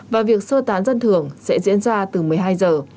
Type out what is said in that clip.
và việc sơ tán dân thường sẽ diễn ra từ một mươi hai giờ